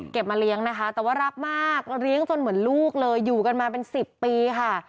มาเลี้ยงนะคะแต่ว่ารักมากเลี้ยงจนเหมือนลูกเลยอยู่กันมาเป็น๑๐ปีค่ะ